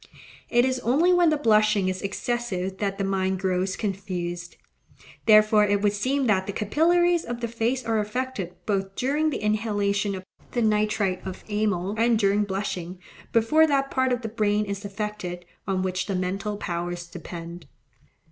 It is only when the blushing is excessive that the mind grows confused. Therefore it would seem that the capillaries of the face are affected, both during the inhalation of the nitrite of amyl and during blushing, before that part of the brain is affected on which the mental powers depend.